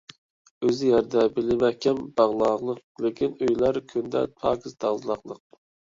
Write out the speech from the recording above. ئۆزى يەردە بېلى مەھكەم باغلاغلىق، لېكىن ئۆيلەر كۈندە پاكىز تازىلاقلىق.